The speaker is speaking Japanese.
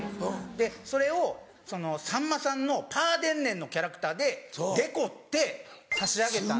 でそれをさんまさんのパーデンネンのキャラクターでデコって差し上げた。